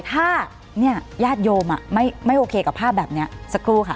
ถ้าญาติโยมไม่โอเคกับภาพแบบนี้สักครู่ค่ะ